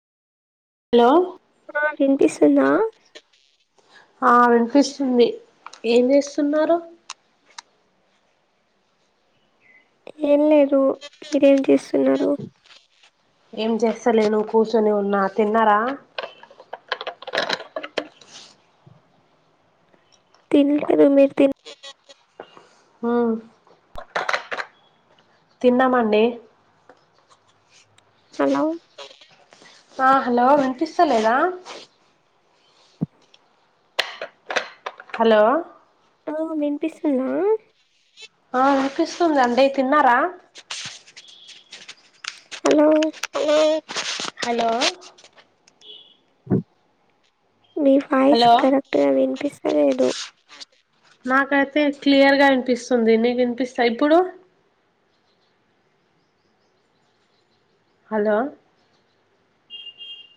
hello విన్పిస్థిందా ఆ వినిపిస్తుంది ఏం చేస్తున్నారు ఏం లేదు మీరేం చేస్తున్నారు ఏం చేస్తాలేదు కూర్చొని ఉన్నా తిన్నారా తినలేదు మీరు తిన్ అ తిన్నమండీ హలో ఆ హలో వినిపిస్తలేదా హలో ఆ విన్పిస్తుందా ఆ అనిపిస్తుంది అండి తిన్నారా హలో హలో మీ వాయిస్ హలో కరెక్ట్గా వినిపిస్తలేదు నాకైతే క్లియర్గా వినిపిస్తుంది నీకు వినిపిస్తా ఇప్పుడు హలో